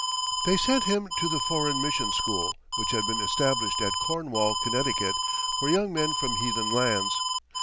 They sent him to the Foreign Mission School which had been established at Cornwall, Connecticut, for young men from heathen lands.